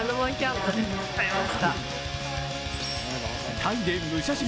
タイで武者修行。